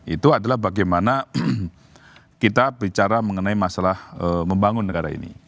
itu adalah bagaimana kita bicara mengenai masalah membangun negara ini